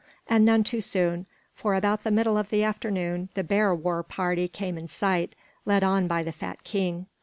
And none too soon, for about the middle of the afternoon the bear war party came in sight, led on by the fat king.